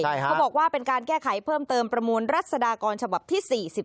เขาบอกว่าเป็นการแก้ไขเพิ่มเติมประมูลรัศดากรฉบับที่๔๑